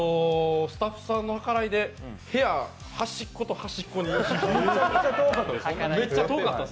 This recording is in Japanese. スタッフさんの計らいで、部屋端っこと端っこでした。